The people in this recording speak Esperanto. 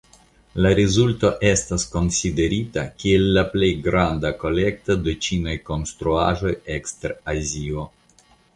La rezulto estas konsiderita kiel la plej granda kolekto de ĉinaj konstruaĵoj ekster Azio.